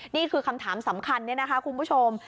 นี่คือคำถามสำคัญเนี่ยนะคะคุณผู้ชม